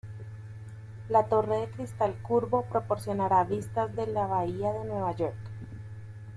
La torre de cristal curvo proporcionará vistas de la bahía de Nueva York.